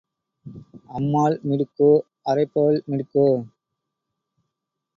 அம்மாள் மிடுக்கோ, அரைப்பவள் மிடுக்கோ?